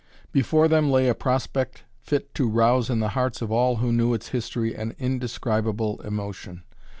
Before them lay a prospect fit to rouse in the hearts of all who knew its history an indescribable emotion.